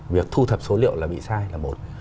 việc thu thập số liệu là bị sai là một